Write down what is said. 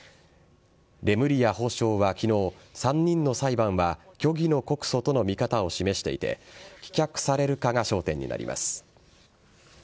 レムリヤ法相は昨日３人の裁判は虚偽の告訴との見方を示していて棄却されるかが焦点になります。